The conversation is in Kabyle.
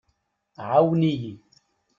ɛawen-iyi!